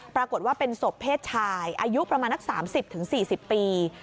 ปรากฏว่าเป็นศพเพศชายอายุประมาณนัก๓๐๔๐ปี